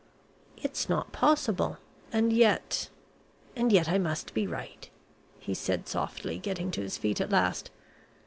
"It's not possible and yet and yet, I must be right," he said softly, getting to his feet at last.